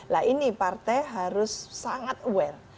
nah ini partai harus sangat aware